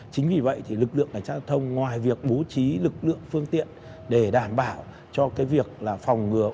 chính vì vậy thì lực lượng cảnh sát giao thông ngoài việc bố trí lực lượng phương tiện để đảm bảo cho cái việc là phòng ngừa